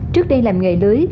trước đây làm nghề lưới